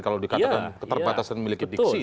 kalau dikatakan keterbatasan memiliki diksi